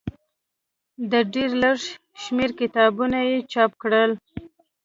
د ډېر لږ شمېر کتابونه یې چاپ کړل.